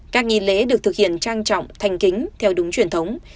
các nghi lễ được thực hiện trang trọng thành kính theo đúng truyền thống